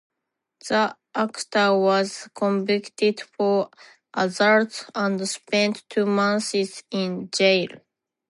The actor was convicted for assault and spent two months in jail.